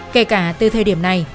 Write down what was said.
kể cả từ thời điểm này